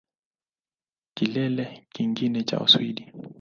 Kilele kingine cha Uswidi